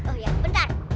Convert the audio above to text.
oh iya bentar